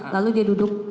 lalu dia duduk